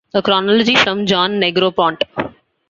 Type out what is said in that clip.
A chronology from John Negroponte.